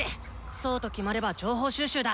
そうと決まれば情報収集だ！